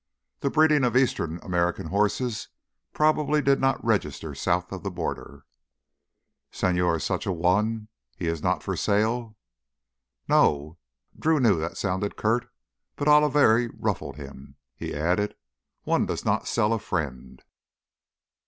The breeding of eastern American horses probably did not register south of the border. "Señor—such a one—he is not for sale?" "No." Drew knew that sounded curt, but Oliveri ruffled him. He added, "One does not sell a friend."